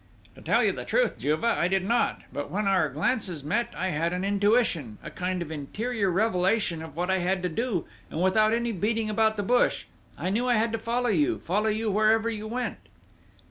"To tell you the truth, Juve, I did not ... but, when our glances met, I had an intuition, a kind of interior revelation of what I had to do, and without any beating about the bush I knew I had to follow you, follow you wherever you went."